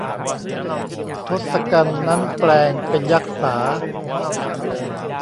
ทศกัณฐ์นั้นแปลงเป็นยักษา